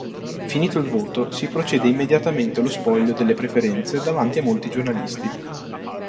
Finito il voto, si procede immediatamente lo spoglio delle preferenze davanti a molti giornalisti.